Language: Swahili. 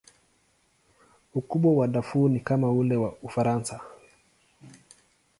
Ukubwa wa Darfur ni kama ule wa Ufaransa.